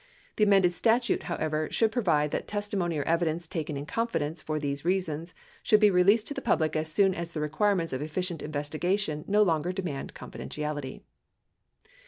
The amended statute, however, should provide that testimony or evidence taken in confidence for these reasons should be released to the public as soon as the requirements of efficient investigation no longer demand confidentiality.